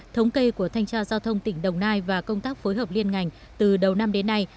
thống kê của thanh tra giao thông tỉnh đồng nai và công tác phối hợp liên ngành từ đầu năm đến nay